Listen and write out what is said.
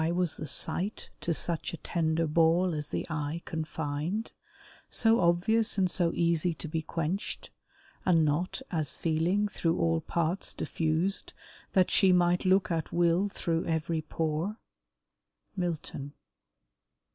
Why was the sight To such a tender ball as th' eye confined, So obvious and so easy to be quenched, And not, as feeling, through all parts diffused; That she might look at will through every pore? MILTON.